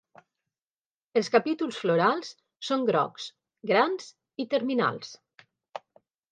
Els capítols florals són grocs, grans i terminals.